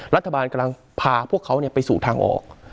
รัฐบาลกำลังพาพวกเขาไปสู่ทางออก